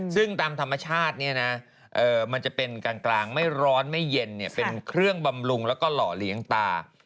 ซึ่งตามธรรมชาติเนี่ยนะมันจะเป็นกลางไม่ร้อนไม่เย็นเป็นเครื่องบำรุงแล้วก็หล่อเลี้ยงตา